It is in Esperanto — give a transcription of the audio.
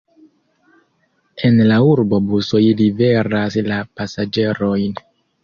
En la urbo busoj liveras la pasaĝerojn.